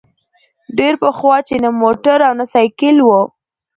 ډېر پخوا چي نه موټر او نه سایکل وو